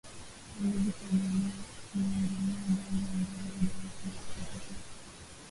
huwezi kuongelea jaambo ambalo hujawahi kulisikia popote